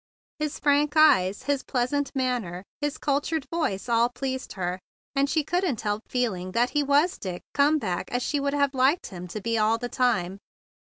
His frank eyes, his pleasant manner, his cultured voice, all pleased her; and she couldn't help feel¬ ing that he was Dick come back as she would have liked him to be all the time.